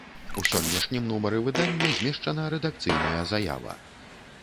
У сённяшнім нумары выдання змешчана рэдакцыйная заява.